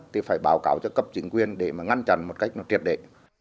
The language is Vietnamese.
thì phải báo cáo cho cấp chính quyền để ngăn chặn một cách triệt đệ